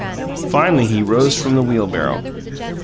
Finally, he rose from the wheelbarrow.